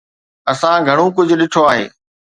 اسان گهڻو ڪجهه ڏٺو آهي.